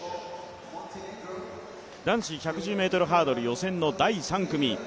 男子１１０ｍハードル予選の第３組。